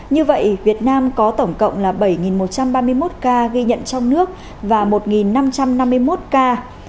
như vậy việt nam có tổng cộng là bảy một trăm ba mươi một ca ghi nhận trong nước và một năm trăm năm mươi một ca